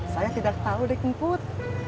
saya tidak tahu deh kemput